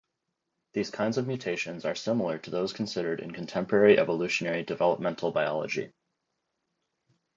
These kinds of mutations are similar to those considered in contemporary evolutionary developmental biology.